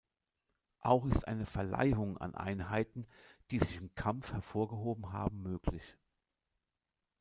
Auch ist eine Verleihung an Einheiten, die sich im Kampf hervorgehoben haben, möglich.